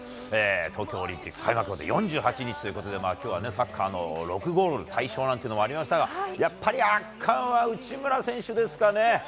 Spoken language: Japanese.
東京オリンピック開幕まで４８日ということで今日はサッカーの６ゴール大勝もありましたがやっぱり圧巻は内村選手ですかね。